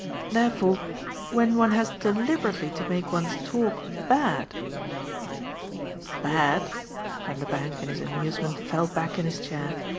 Therefore when one has deliberately to make one's talk bad !" "'Bad'?" Vanderbank, in his amusement, fell back in his chair.